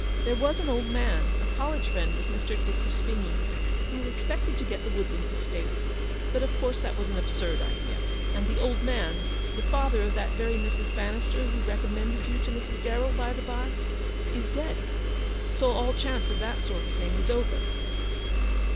There was an old man — a college friend of Mr. de Crespigny's — who expected to get the Woodlands estate ; but of course that was an absurd idea ; and the old man — the father of that very Mrs. Bannister who HAZLEW00D. 265 recommended you to Mrs. Darrell, by the by, is dead. So all chance of that sort of thing is over."